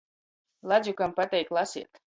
Ladzukam pateik laseit.